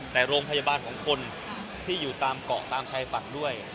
แต่โรงพยาบาลของคนที่อยู่ตามเกาะตามชายฝั่งด้วย